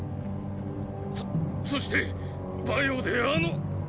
そそして馬陽であの。